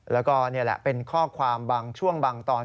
แล้วก็นี่แหละเป็นข้อความบางช่วงบางตอน